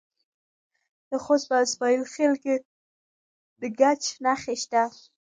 د خوست په اسماعیل خیل کې د ګچ نښې شته.